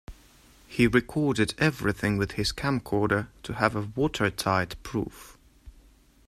He recorded everything with his camcorder to have a watertight proof.